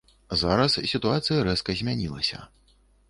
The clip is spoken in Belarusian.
Зараз сітуацыя рэзка змянілася.